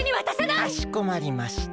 かしこまりました。